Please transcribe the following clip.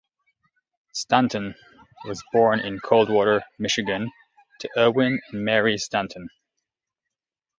Stanton was born in Coldwater, Michigan to Erwin and Mary Stanton.